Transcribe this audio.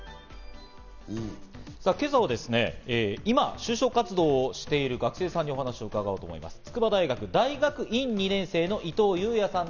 今朝は今、就職活動をしている学生さんにお話を伺おうと思います。